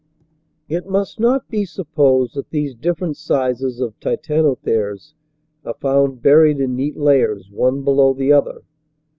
It must not be supposed that these different sizes of Titanotheres are found buried in neat layers, one below the other.